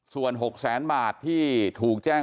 ส่วน๖แสนบาทที่ถูกแจ้ง